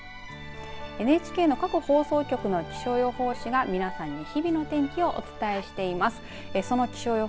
ＮＨＫの各放送局が気象予報士が皆さんに日々の天気をお伝えしています。